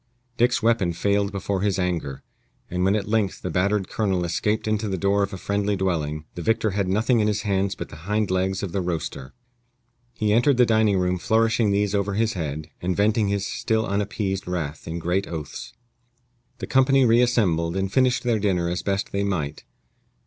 Dick's weapon failed before his anger; and when at length the battered colonel escaped into the door of a friendly dwelling, the victor had nothing in his hands but the hind legs of the roaster. He re entered the dining room flourishing these over his head, and venting his still unappeased wrath in great oaths. The company reassembled, and finished their dinner as best they might.